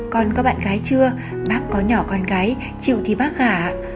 con có bạn gái chưa bác có nhỏ con gái chịu thì bác gả